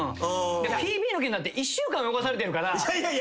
ＰＢの件なんて１週間泳がされてるから。